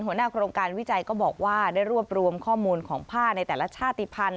หัวหน้าโครงการวิจัยก็บอกว่าได้รวบรวมข้อมูลของผ้าในแต่ละชาติภัณฑ์